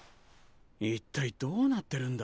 一体どうなってるんだ？